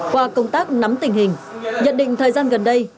qua công tác nắm tình hình nhận định thời gian gần đây